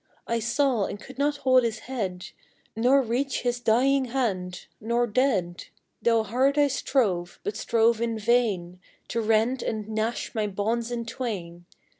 I saw, and could not hold his head, Nor reach his dying hand nor dead Though hard I strove, but strove in vain, To rend and gnash my bonds in twain.